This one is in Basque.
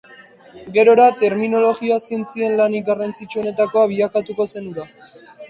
Gerora, terminologia-zientzien lanik garrantzitsuenetakoa bilakatuko zen hura.